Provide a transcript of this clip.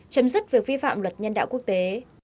chấm dứt việc vi phạm luật nhân đạo quốc tế